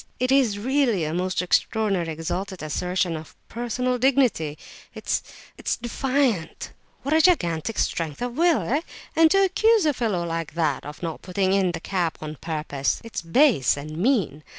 It is really a most extraordinary, exalted assertion of personal dignity, it's—it's defiant! What a gigantic strength of will, eh? And to accuse a fellow like that of not putting in the cap on purpose; it's base and mean!